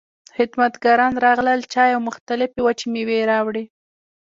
خدمتګاران راغلل، چای او مختلفې وچې مېوې يې راوړې.